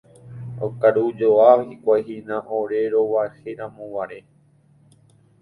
Okarujoa hikuái hína ore rog̃uahẽramoguare.